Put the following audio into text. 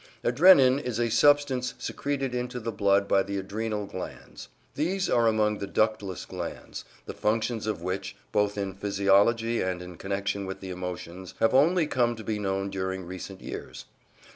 Adrenin is a substance secreted into the blood by the adrenal glands. These are among the ductless glands, the functions of which, both in physiology and in connection with the emotions, have only come to be known during recent years.